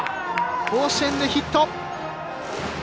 甲子園でヒット。